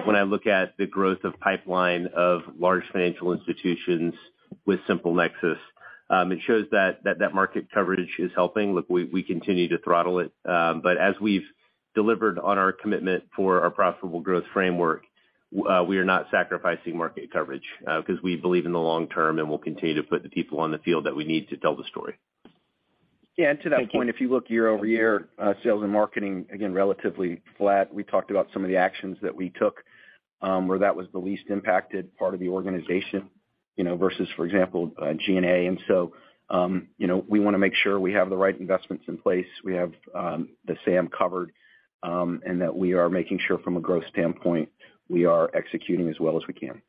When I look at the growth of pipeline of large financial institutions with SimpleNexus, it shows that market coverage is helping. we continue to throttle it, as we've delivered on our commitment for our profitable growth framework, we are not sacrificing market coverage, because we believe in the long term, we'll continue to put the people on the field that we need to tell the story. Thank you. Yeah, to that point, if you look year-over-year, sales and marketing, again, relatively flat. We talked about some of the actions that we took, where that was the least impacted part of the organization, you know, versus, for example, G&A. We want to make sure we have the right investments in place. We have the SAM covered, and that we are making sure from a growth standpoint, we are executing as well as we can.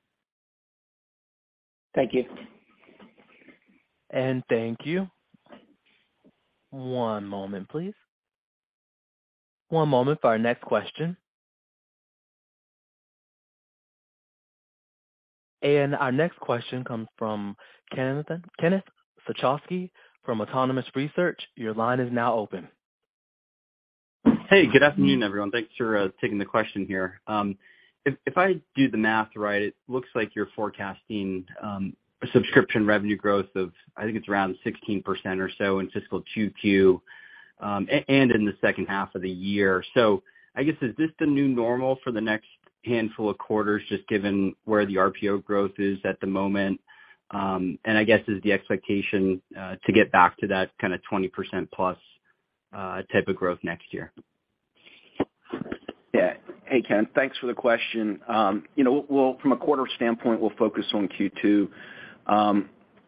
Thank you. Thank you. One moment, please. One moment for our next question. Our next question comes from Kenneth Suchoski from Autonomous Research. Your line is now open. Hey, good afternoon, everyone. Thanks for taking the question here. If I do the math right, it looks like you're forecasting a subscription revenue growth of, I think it's around 16% or so in fiscal 2Q and in the second half of the year. I guess, is this the new normal for the next handful of quarters, just given where the RPO growth is at the moment? I guess, is the expectation to get back to that kind of 20%+ type of growth next year? Yeah. Hey, Ken, thanks for the question. you know, from a quarter standpoint, we'll focus on Q2.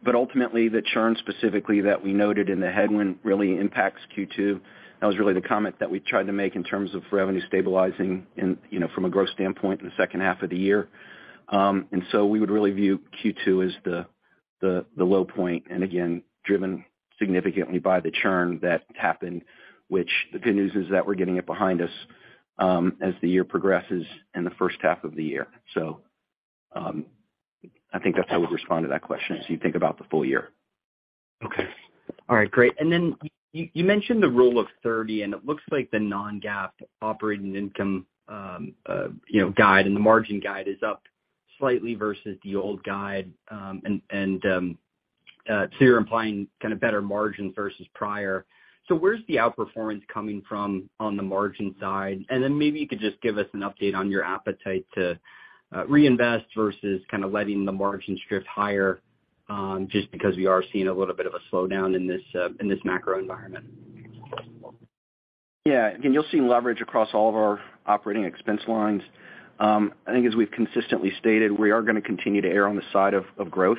Ultimately, the churn specifically that we noted in the headwind really impacts Q2. That was really the comment that we tried to make in terms of revenue stabilizing and, you know, from a growth standpoint in the second half of the year. We would really view Q2 as the low point, and again, driven significantly by the churn that happened, which the good news is that we're getting it behind us as the year progresses in the first half of the year. I think that's how I would respond to that question, as you think about the full year. Okay. All right, great. Then you mentioned the Rule of 30, and it looks like the non-GAAP operating income, you know, guide and the margin guide is up slightly versus the old guide, and, so you're implying kind of better margins versus prior. Where's the outperformance coming from on the margin side? Then maybe you could just give us an update on your appetite to reinvest versus kind of letting the margins drift higher, just because we are seeing a little bit of a slowdown in this, in this macro environment. You'll see leverage across all of our operating expense lines. I think as we've consistently stated, we are going to continue to err on the side of growth.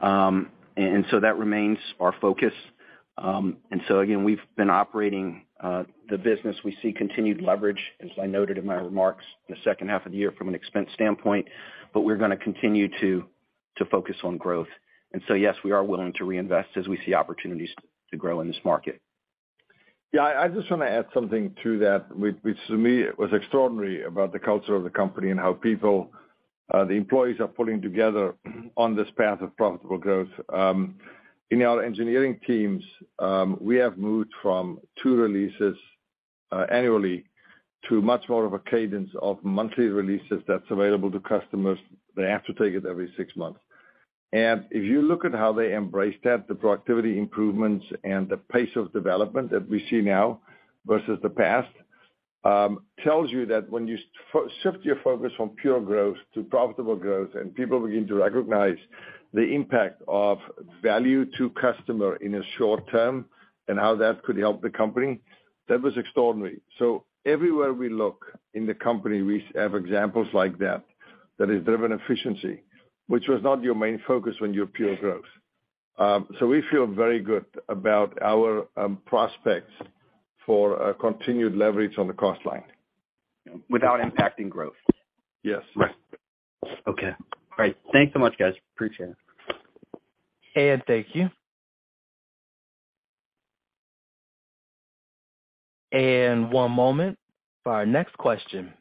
That remains our focus. Again, we've been operating the business. We see continued leverage, as I noted in my remarks, the second half of the year from an expense standpoint, but we're going to continue to focus on growth. Yes, we are willing to reinvest as we see opportunities to grow in this market. Yeah, I just want to add something to that, which to me, was extraordinary about the culture of the company and how people, the employees are pulling together on this path of profitable growth. In our engineering teams, we have moved from two releases annually to much more of a cadence of monthly releases that's available to customers. They have to take it every six months. If you look at how they embrace that, the productivity improvements and the pace of development that we see now versus the past, tells you that when you shift your focus from pure growth to profitable growth, and people begin to recognize the impact of value to customer in a short term and how that could help the company, that was extraordinary. Everywhere we look in the company, we have examples like that is driven efficiency, which was not your main focus when you're pure growth. We feel very good about our prospects for a continued leverage on the cost line. Without impacting growth? Yes. Right. Okay, great. Thanks so much, guys. Appreciate it. Thank you. One moment for our next question.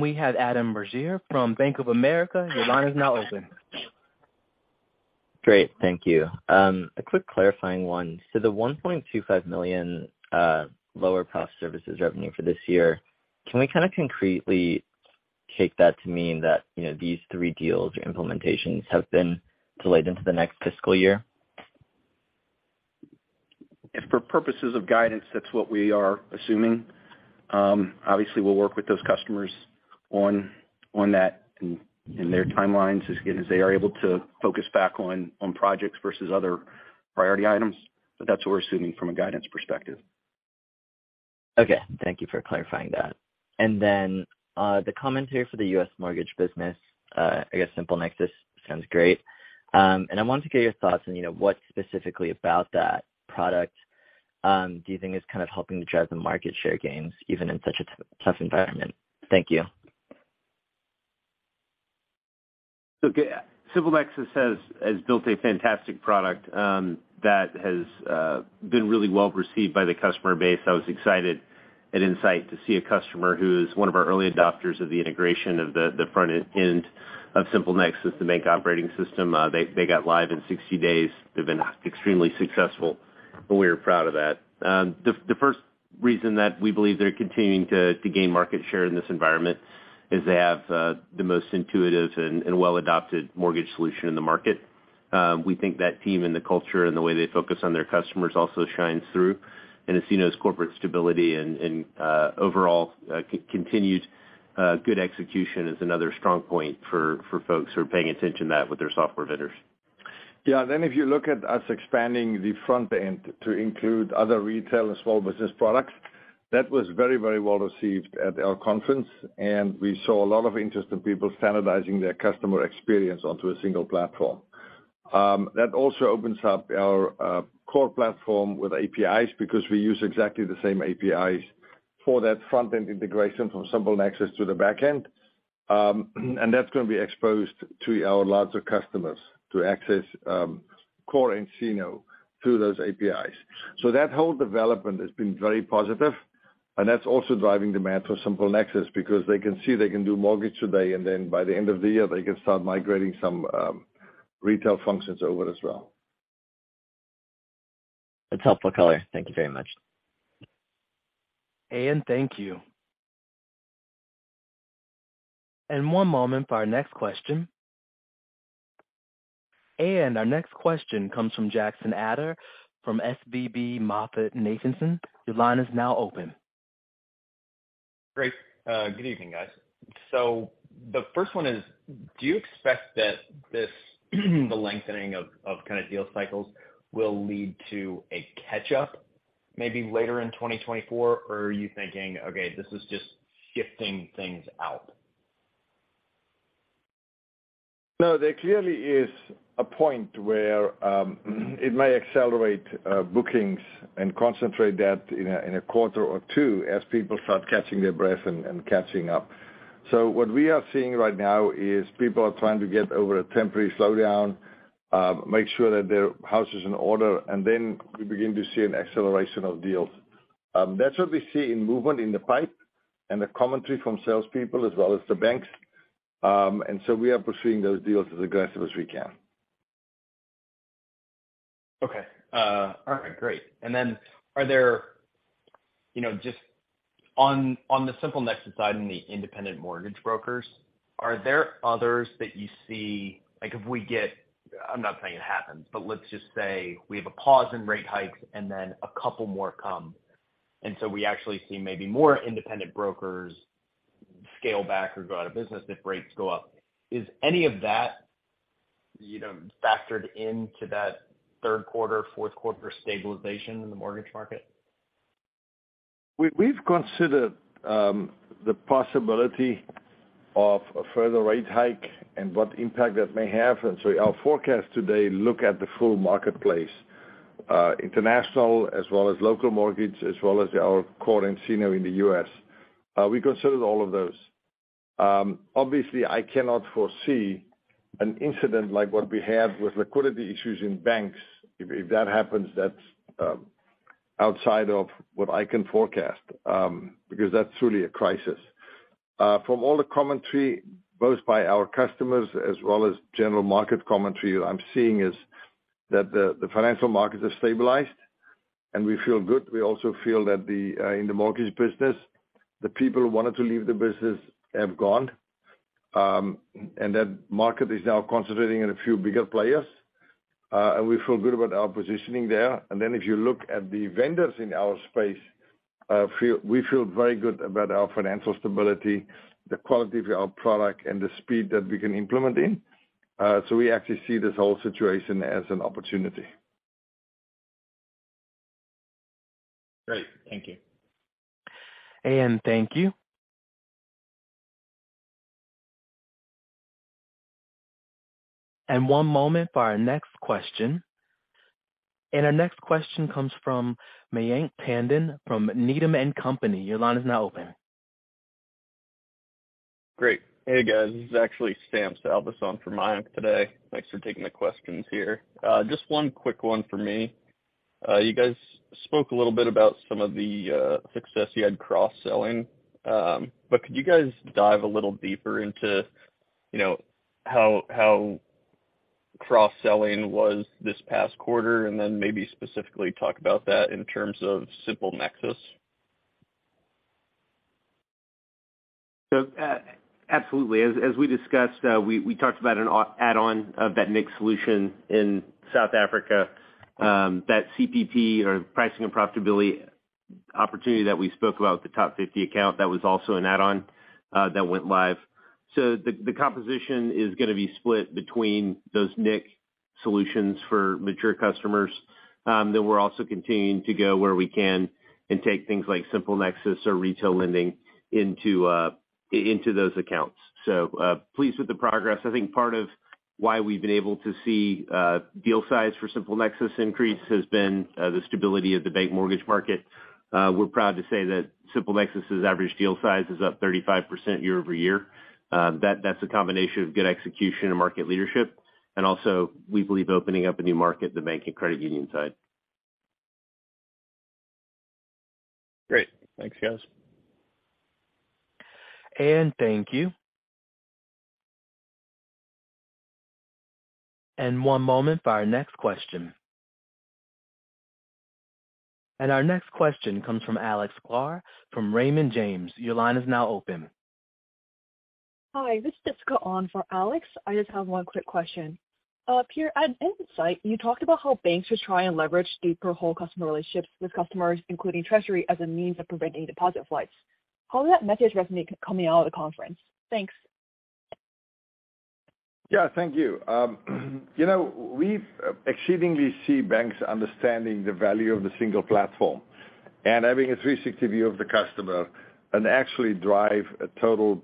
We have Adam Bergere from Bank of America. Your line is now open. Great. Thank you. A quick clarifying one. The $1.25 million lower prof services revenue for this year, can we kind of concretely take that to mean that, you know, these three deals or implementations have been delayed into the next fiscal year? If for purposes of guidance, that's what we are assuming. obviously, we'll work with those customers on that and their timelines as they are able to focus back on projects versus other priority items. That's what we're assuming from a guidance perspective. Okay. Thank you for clarifying that. The commentary for the U.S. mortgage business, I guess SimpleNexus sounds great. I wanted to get your thoughts on, you know, what specifically about that product, do you think is kind of helping to drive the market share gains, even in such a tough environment? Thank you. SimpleNexus has built a fantastic product that has been really well received by the customer base. I was excited at nSight to see a customer who is one of our early adopters of the integration of the front end of SimpleNexus, the Bank Operating System. They got live in 60 days. They've been extremely successful, and we are proud of that. The first reason that we believe they're continuing to gain market share in this environment is they have the most intuitive and well-adopted mortgage solution in the market. We think that team and the culture and the way they focus on their customers also shines through. nCino's corporate stability and overall continued good execution is another strong point for folks who are paying attention that with their software vendors. Yeah, then if you look at us expanding the front end to include other retail and small business products, that was very, very well received at our conference, and we saw a lot of interest in people standardizing their customer experience onto a single platform. That also opens up our core platform with APIs, because we use exactly the same APIs for that front-end integration from SimpleNexus to the back end. That's gonna be exposed to our larger customers to access core nCino through those APIs. That whole development has been very positive, and that's also driving demand for SimpleNexus, because they can see they can do mortgage today, and then by the end of the year, they can start migrating some retail functions over as well. That's helpful color. Thank you very much. Thank you. One moment for our next question. Our next question comes from Jackson Ader from SVB MoffettNathanson. Your line is now open. Great. Good evening, guys. The first one is, do you expect that this, the lengthening of kind of deal cycles will lead to a catch-up maybe later in 2024? Are you thinking, "Okay, this is just shifting things out? No, there clearly is a point where it may accelerate bookings and concentrate that in a quarter or two as people start catching their breath and catching up. What we are seeing right now is people are trying to get over a temporary slowdown, make sure that their house is in order, and then we begin to see an acceleration of deals. That's what we see in movement in the pipe and the commentary from salespeople as well as the banks. We are pursuing those deals as aggressive as we can. Okay. All right, great. You know, just on the SimpleNexus side and the independent mortgage brokers, are there others that you see, like if we get, I'm not saying it happens, but let's just say we have a pause in rate hikes and then a couple more come, and so we actually see maybe more independent brokers scale back or go out of business if rates go up. Is any of that, you know, factored into that third quarter, fourth quarter stabilization in the mortgage market? We've considered the possibility of a further rate hike and what impact that may have. Our forecast today look at the full marketplace, international as well as local mortgage, as well as our core nCino in the U.S. We considered all of those. Obviously, I cannot foresee an incident like what we had with liquidity issues in banks. If that happens, that's outside of what I can forecast, because that's truly a crisis. From all the commentary, both by our customers as well as general market commentary, what I'm seeing is that the financial markets are stabilized, and we feel good. We also feel that the in the mortgage business, the people who wanted to leave the business have gone, and that market is now concentrating on a few bigger players, and we feel good about our positioning there. If you look at the vendors in our space, we feel very good about our financial stability, the quality of our product, and the speed that we can implement in. We actually see this whole situation as an opportunity. Great. Thank you. Thank you. One moment for our next question. Our next question comes from Mayank Tandon, from Needham & Company. Your line is now open. Great. Hey, guys, this is actually [Stamps Alberson] from Mayank today. Thanks for taking the questions here. Just one quick one for me. You guys spoke a little bit about some of the success you had cross-selling, but could you guys dive a little deeper into, you know, how cross-selling was this past quarter, and then maybe specifically talk about that in terms of SimpleNexus? Absolutely. As we discussed, we talked about an add-on of that mixed solution in South Africa, that CPP or pricing and profitability opportunity that we spoke about, the top 50 account, that was also an add-on that went live. The composition is gonna be split between those nIQ solutions for mature customers, we're also continuing to go where we can and take things like SimpleNexus or retail lending into those accounts. Pleased with the progress. I think part of why we've been able to see deal size for SimpleNexus increase has been the stability of the bank mortgage market. We're proud to say that SimpleNexus's average deal size is up 35% year-over-year. That's a combination of good execution and market leadership, and also we believe opening up a new market, the bank and credit union side. Great. Thanks, guys. Thank you. One moment for our next question. Our next question comes from Alex Sklar from Raymond James. Your line is now open. Hi, this is Jessica on for Alex. I just have 1 quick question. Pierre, at nSight, you talked about how banks should try and leverage deeper whole customer relationships with customers, including Treasury, as a means of preventing deposit flights. How did that message resonate coming out of the conference? Thanks. Yeah, thank you. You know, we've exceedingly see banks understanding the value of the single platform and having a 360 view of the customer and actually drive a total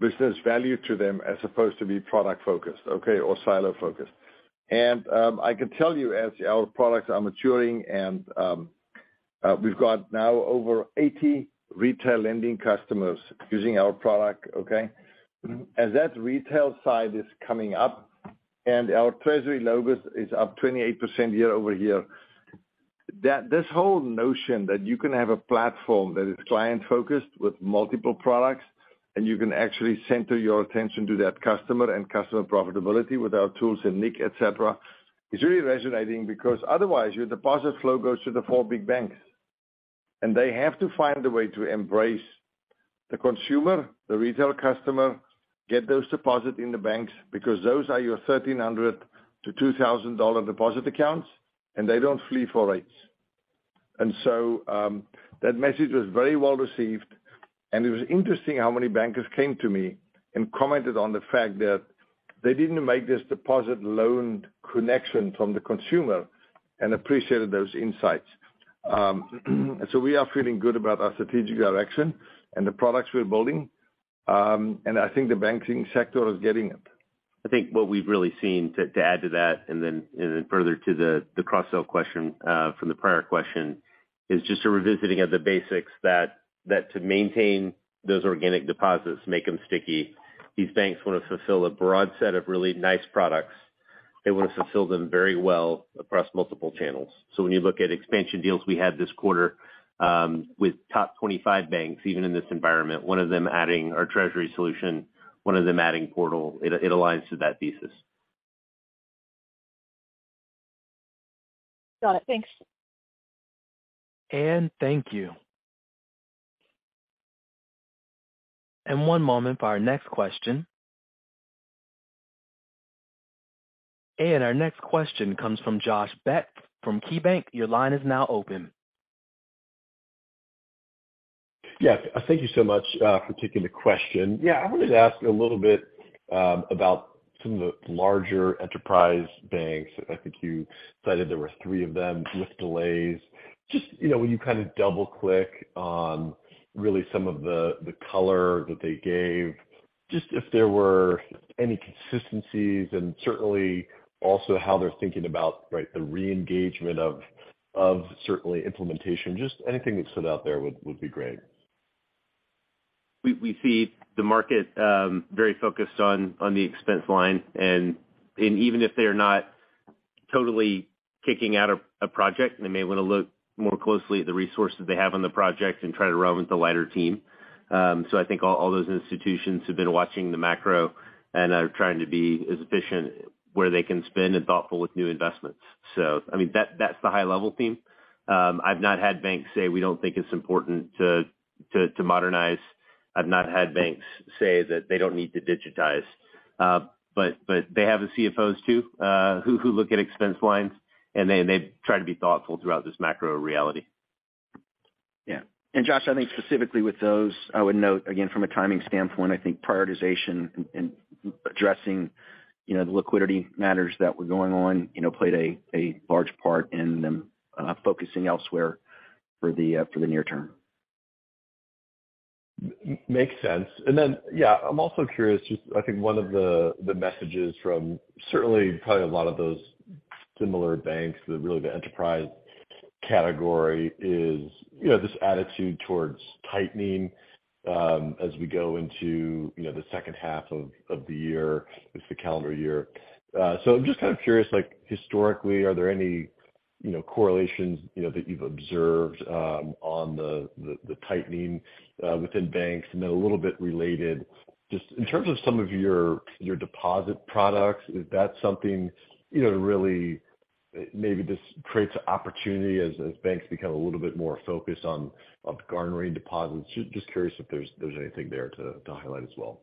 business value to them as opposed to be product focused, okay, or silo focused. I can tell you as our products are maturing, we've got now over 80 retail lending customers using our product, okay? As that retail side is coming up and our treasury logos is up 28% year-over-year, this whole notion that you can have a platform that is client focused with multiple products, and you can actually center your attention to that customer and customer profitability with our tools and nIQ, et cetera, is really resonating because otherwise your deposit flow goes to the four big banks. They have to find a way to embrace the consumer, the retail customer, get those deposits in the banks, because those are your $1,300-$2,000 deposit accounts, and they don't flee for rates. That message was very well received, and it was interesting how many bankers came to me and commented on the fact that they didn't make this deposit loan connection from the consumer and appreciated those insights. We are feeling good about our strategic direction and the products we're building, and I think the banking sector is getting it. I think what we've really seen, to add to that and then further to the cross-sell question, from the prior question, is just a revisiting of the basics that to maintain those organic deposits, make them sticky, these banks want to fulfill a broad set of really nice products. They want to fulfill them very well across multiple channels. When you look at expansion deals we had this quarter, with top 25 banks, even in this environment, one of them adding our treasury solution, one of them adding Customer Portal, it aligns to that thesis. Got it. Thanks. Thank you. One moment for our next question. Our next question comes from Josh Beck from KeyBanc. Your line is now open. Yes, thank you so much for taking the question. Yeah, I wanted to ask a little bit about some of the larger enterprise banks. I think you cited there were three of them with delays. Just, you know, when you kind of double-click on really some of the color that they gave, just if there were any consistencies and certainly also how they're thinking about, right, the reengagement of certainly implementation. Just anything that stood out there would be great. We see the market very focused on the expense line, and even if they are not totally kicking out a project, they may want to look more closely at the resources they have on the project and try to run with a lighter team. I think all those institutions have been watching the macro and are trying to be as efficient where they can spend and thoughtful with new investments. I mean, that's the high level theme. I've not had banks say, "We don't think it's important to modernize." I've not had banks say that they don't need to digitize, but they have the CFOs, too, who look at expense lines, and they try to be thoughtful throughout this macro reality. Yeah. Josh, I think specifically with those, I would note again, from a timing standpoint, I think prioritization and addressing, you know, the liquidity matters that were going on, you know, played a large part in them focusing elsewhere for the near term. Makes sense. Yeah, I'm also curious, just I think one of the messages from certainly probably a lot of similar banks, the really the enterprise category is, you know, this attitude towards tightening, as we go into, you know, the second half of the year, it's the calendar year. I'm just kind of curious, like historically, are there any, you know, correlations, you know, that you've observed, on the tightening within banks? A little bit related, just in terms of some of your deposit products, is that something, you know, really maybe this creates an opportunity as banks become a little bit more focused on garnering deposits? Just curious if there's anything there to highlight as well.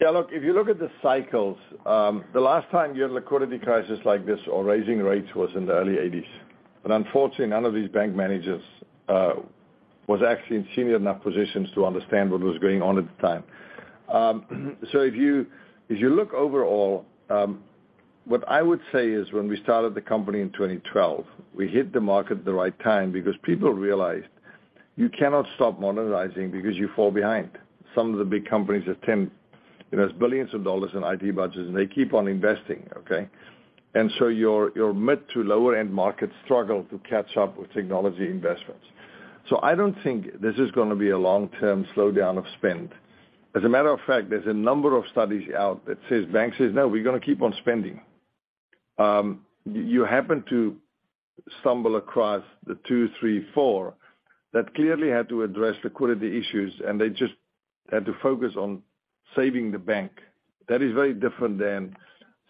Yeah, look, if you look at the cycles, the last time you had a liquidity crisis like this or raising rates was in the early 1980s. Unfortunately, none of these bank managers was actually in senior enough positions to understand what was going on at the time. If you look overall, what I would say is when we started the company in 2012, we hit the market at the right time because people realized you cannot stop modernizing because you fall behind. Some of the big companies that tend, you know, has billions of dollars in IT budgets, and they keep on investing, okay? Your mid to lower-end markets struggle to catch up with technology investments. I don't think this is gonna be a long-term slowdown of spend. As a matter of fact, there's a number of studies out that says, banks says, "No, we're gonna keep on spending." You happen to stumble across the two, three, four, that clearly had to address liquidity issues, and they just had to focus on saving the bank. That is very different than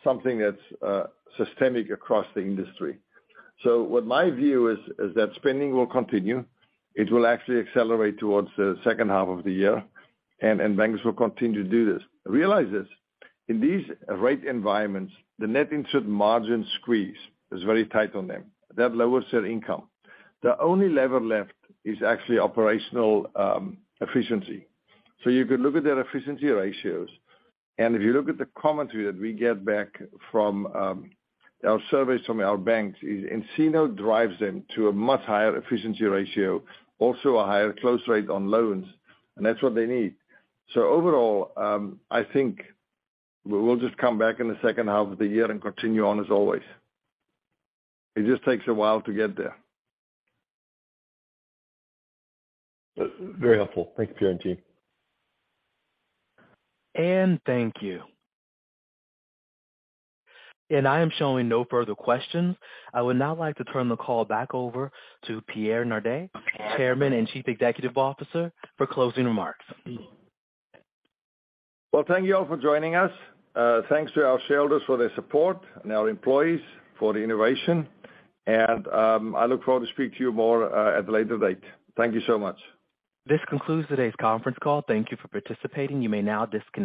something that's systemic across the industry. What my view is that spending will continue. It will actually accelerate towards the second half of the year, and banks will continue to do this. Realize this, in these rate environments, the net interest margin squeeze is very tight on them. That lowers their income. The only lever left is actually operational efficiency. You could look at their efficiency ratios, and if you look at the commentary that we get back from our surveys from our banks, nCino drives them to a much higher efficiency ratio, also a higher close rate on loans, and that's what they need. Overall, I think we'll just come back in the second half of the year and continue on as always. It just takes a while to get there. Very helpful. Thank you, Pierre and team. Thank you. I am showing no further questions. I would now like to turn the call back over to Pierre Naudé, Chairman and Chief Executive Officer, for closing remarks. Well, thank you all for joining us. Thanks to our shareholders for their support and our employees for the innovation, and I look forward to speak to you more at a later date. Thank you so much. This concludes today's conference call. Thank you for participating. You may now disconnect.